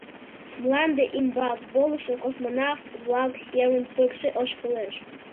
Мланде ӱмбак волышо космонавт-влак семын пыкше ошкылеш...